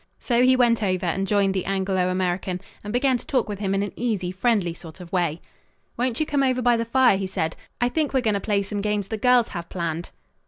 So he went over and joined the Anglo American, and began to talk with him in an easy, friendly sort of way. "Won't you come over by the fire," he said. "I think we are going to play some games the girls have planned."